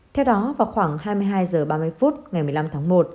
theo đó vào khoảng hai mươi hai h ba mươi phút ngày một mươi năm tháng một